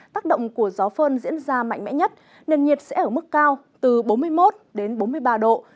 tác động của gió phơn diễn ra mạnh mẽ nhất nền nhiệt sẽ ở mức cao từ bốn mươi một đến bốn mươi ba độ